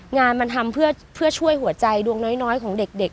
งานมันทำเพื่อช่วยหัวใจดวงน้อยของเด็ก